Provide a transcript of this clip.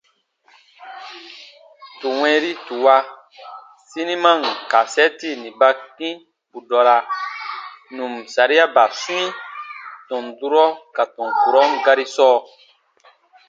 Tù wɛ̃ɛri tù wa siniman kasɛɛti nì ba kĩ bù dɔra nù n sariaba swĩi tɔn durɔ ka tɔn kurɔn gari sɔɔ.